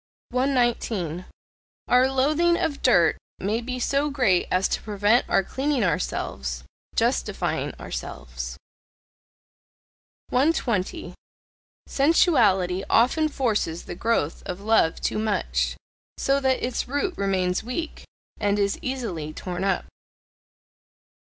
119. Our loathing of dirt may be so great as to prevent our cleaning ourselves "justifying" ourselves. 120. Sensuality often forces the growth of love too much, so that its root remains weak, and is easily torn up.